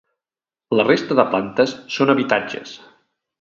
La resta de plantes són habitatges.